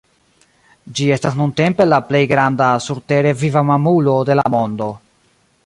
Ĝi estas nuntempe la plej granda surtere viva mamulo de la mondo.